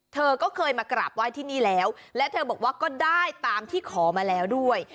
เธอก็เคยมากราบไหว้ที่นี่แล้วและเธอบอกว่าก็ได้ตามที่ขอมาแล้วด้วย